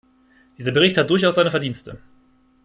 Dieser Bericht hat durchaus seine Verdienste.